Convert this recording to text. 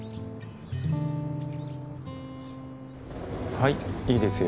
はいいいですよ。